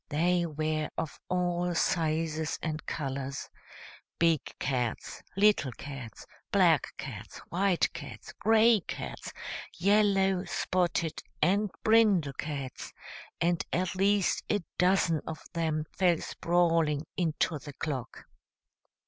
They were of all sizes and colors, big cats, little cats, black cats, white cats, gray cats, yellow, spotted and brindle cats, and at least a dozen of them fell sprawling into the clock.